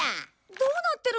どうなってるの？